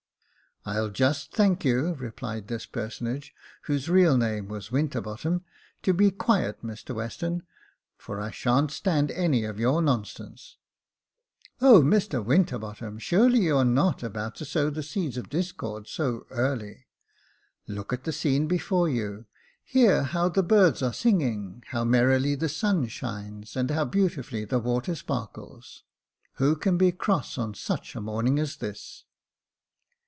" I'll just thank you," replied this personage, whose real name was Winterbottom, " to be quiet, Mr Western, for I sha'n't stand any of your nonsense." " O, Mr Winterbottom, surely you are not about to sow the seeds of discord so early. Look at the scene before you — hear how the birds are singing, how merrily Jacob Faithful 265 the sun shines, and how beautifully the water sparkles ! Who can be cross on such a morning as this